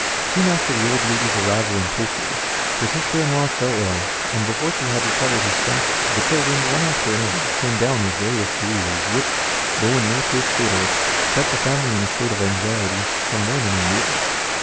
Soon after the old lady's arrival in Tōkyō, her sister in law fell ill, and before she had recovered her strength the children, one after another, came down with various diseases, which, though in no case fatal, kept the family in a state of anxiety for more than a year.